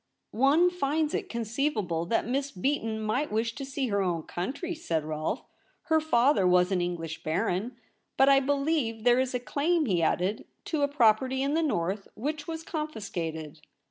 ' One finds it conceivable that Miss Beaton might wish to see her own country,' said Rolfe. ' Her father was an English baron. 220 THE REBEL ROSE. But I believe there is a claim,' he added, 'to a property in the North which was con fiscated.'